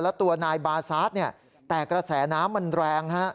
และตัวนายบาซาสแต่กระแสน้ำมันแรง